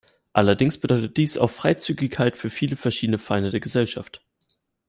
Allerdings bedeutet dies auch Freizügigkeit für viele verschiedene Feinde der Gesellschaft.